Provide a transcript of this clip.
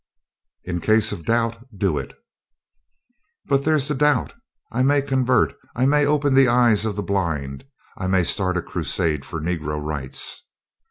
"In case of doubt, do it." "But there's the doubt: I may convert; I may open the eyes of the blind; I may start a crusade for Negro rights."